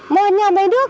mà nhà máy nước